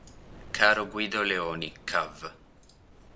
Caro Guido Leoni, cav.